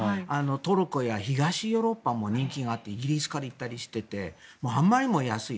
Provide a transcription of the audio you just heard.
トルコや東ヨーロッパも人気があってイギリスから行ったりしていてあまりにも安い。